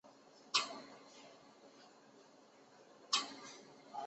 今宜兰县员山乡及宜兰市的进士联合里。